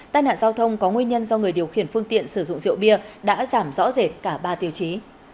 tai nạn giao thông có nguyên nhân do người điều khiển phương tiện sử dụng rượu bia đã giảm rõ rệt cả ba tiêu chí